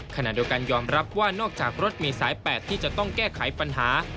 ขณะโดยการยอมรับว่านอกจากรถมีสายแปดที่จะต้องแก้ไขปัญหา